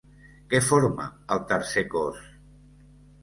Què forma el tercer cos?